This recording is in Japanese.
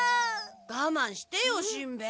がまんしてよしんべヱ。